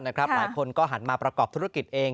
หลายคนก็หันมาประกอบธุรกิจเอง